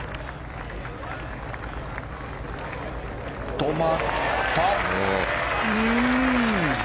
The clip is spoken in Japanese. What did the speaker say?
止まった！